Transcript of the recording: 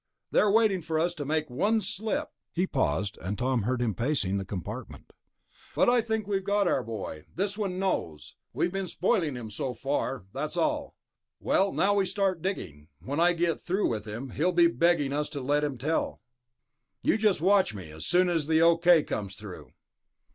They're waiting for us to make one slip." He paused, and Tom heard him pacing the compartment. "But I think we've got our boy. This one knows. We've been spoiling him so far, that's all. Well, now we start digging. When I get through with him, he'll be begging us to let him tell. You just watch me, as soon as the okay comes through...."